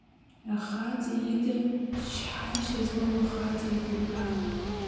Ахаҵа ида ҷҳашьа змам ахаҵа игәырҩа.